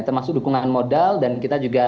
termasuk dukungan modal dan kita juga